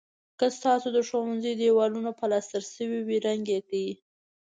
که ستاسو د ښوونځي دېوالونه پلستر شوي وي رنګ یې کړئ.